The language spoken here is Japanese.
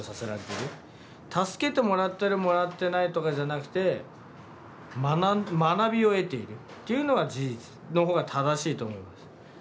助けてもらってるもらってないとかじゃなくて学びを得ているっていうのが事実の方が正しいと思います。